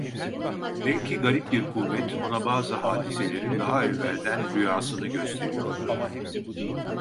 Belki garip bir kuvvet ona bazı hadiselerin daha evvelden rüyasını gösteriyordu.